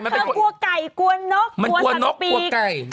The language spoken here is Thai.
คือกลัวไก่กรัวน็อกสัตว์ปีก